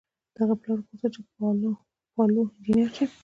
د هغه پلار غوښتل چې پاولو انجنیر شي.